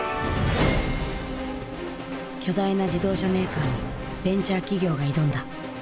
巨大な自動車メーカーにベンチャー企業が挑んだ。